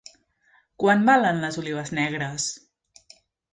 Quant valen les olives negres?